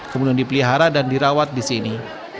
kemudian dipelihara dan dirawat di sini